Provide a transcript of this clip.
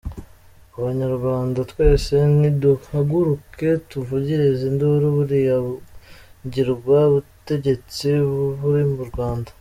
Abanyarwanda twese niduhaguruke tuvugirize induru buriya ngirwa butegetsi buri mu Rwanda.